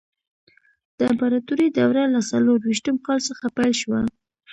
د امپراتورۍ دوره له څلور ویشتم کال څخه پیل شوه.